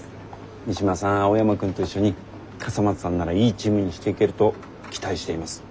三島さん青山くんと一緒に笠松さんならいいチームにしていけると期待しています。